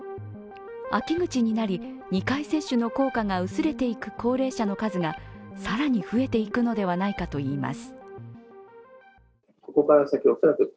秋口になり、２回接種の効果が薄れていく高齢者の数が更に増えていくのではないかといいます。